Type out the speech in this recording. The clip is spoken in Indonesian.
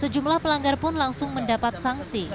sejumlah pelanggar pun langsung mendapat sanksi